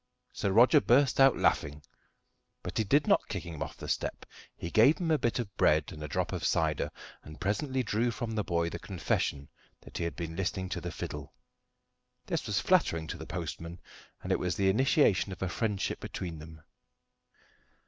So Roger burst out laughing. But he did not kick him off the step; he gave him a bit of bread and a drop of cider, and presently drew from the boy the confession that he had been listening to the fiddle. This was flattering to the postman, and it was the initiation of a friendship between them.